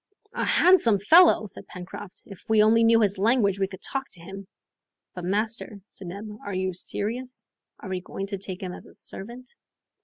"A handsome fellow!" said Pencroft; "if we only knew his language, we could talk to him." "But, master," said Neb, "are you serious? Are we going to take him as a servant?"